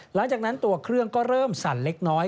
หลังจากนั้นตัวเครื่องก็เริ่มสั่นเล็กน้อย